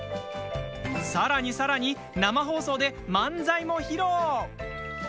さらにさらに生放送で漫才も披露。